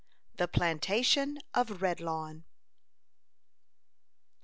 THE PLANTATION OF REDLAWN.